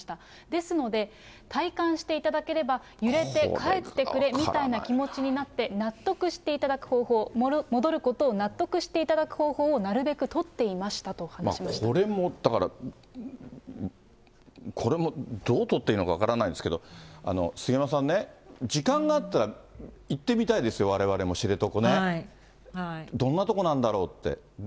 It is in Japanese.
ですので、体感していただければ、揺れて帰ってくれみたいな気持ちになって、納得していただく方法、戻ることを納得していただく方法をなるべく取っていましたと話しこれも、だから、これもどう取っていいのか分からないんですけれども、杉山さんね、時間があったら行ってみたいですよ、われわれも知床ね、どんな所なんだろうって。